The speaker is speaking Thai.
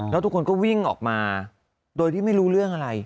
แล้วทุกคนก็วิ่งออกมาโดยที่ไม่รู้เรื่องอะไร